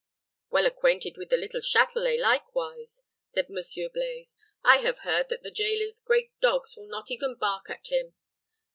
"Well acquainted with the little Châtelet, likewise," said Monsieur Blaize. "I have heard that the jailer's great dogs will not even bark at him.